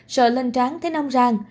sợ lên tráng thấy nong rang